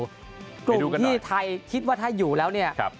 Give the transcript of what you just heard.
กลุ่มที่ไทยคิดว่าถ้าอยู่แล้วเนี่ย